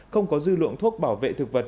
không có dư luận thuốc bảo vệ thực vật